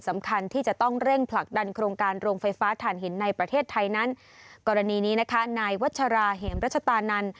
อันนี้นะคะนายวัชราเห็มรัชตานัน